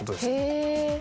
へえ。